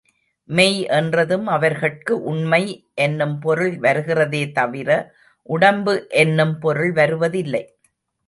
மெய் என்றதும், அவர்கட்கு உண்மை என்னும் பொருள் வருகிறதே தவிர, உடம்பு என்னும் பொருள் வருவதில்லை.